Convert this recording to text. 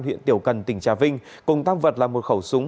huyện tiểu cần tỉnh trà vinh cùng tăng vật là một khẩu súng